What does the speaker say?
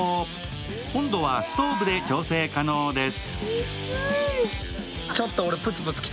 温度はストーブで調整可能です。